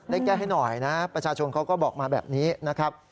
แก้ให้หน่อยนะประชาชนเขาก็บอกมาแบบนี้นะครับ